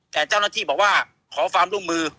แต่เจ้าหน้าที่บอกว่าขอความร่วมมือ